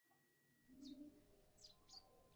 Nikki aceptó mudándose a Los Ángeles.